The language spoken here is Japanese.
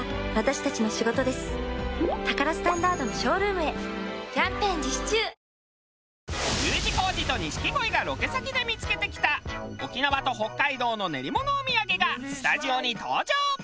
ワイドも薄型Ｕ字工事と錦鯉がロケ先で見付けてきた沖縄と北海道の練り物お土産がスタジオに登場！